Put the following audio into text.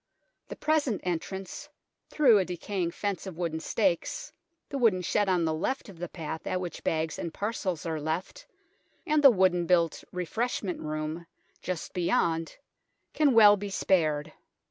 The present entrance, through a decaying fence of wooden stakes, the wooden shed on the left of the path at which bags and parcels are left, and the wooden built refreshment room just be 156 THE TOWER OF LONDON yond can well be spared.